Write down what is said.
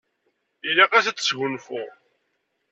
Ilaq-as ad tesgunfu.